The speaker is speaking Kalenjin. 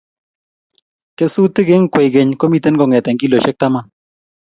kesutik eng' kwekeny komi kong'eteen kiloisiek taman.